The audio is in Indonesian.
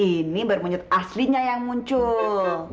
ini bermunyut aslinya yang muncul